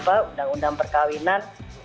apa undang undang perkawinan